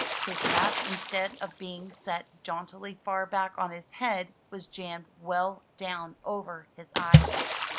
His cap, instead of being set jauntily far back on his head, was jammed well down over his eyes.